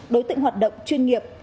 đối tượng hoạt động chuyên nghiệp